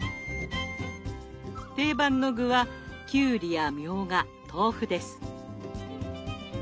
定番の具はきゅうりやみょうが豆腐です。